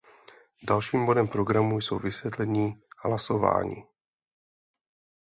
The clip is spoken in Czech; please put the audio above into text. Dalším bodem programu jsou vysvětlení hlasování.